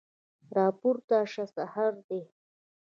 راپورته شه سحر دی